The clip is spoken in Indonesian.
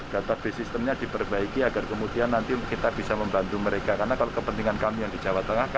data base sistemnya diperbaiki agar kemudian nanti kita bisa membantu mereka